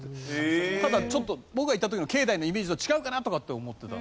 ただちょっと僕が行った時の境内のイメージと違うかなとか思ってた。